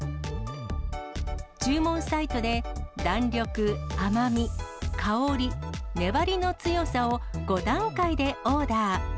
注文サイトで、弾力、甘み、香り、粘りの強さを５段階でオーダー。